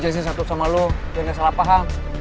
gue mau cari satu sama lo jangan salah paham